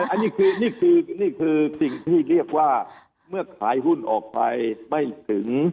อันนี้คือนี่คือสิ่งที่เรียกว่าเมื่อขายหุ้นออกไปไม่ถึง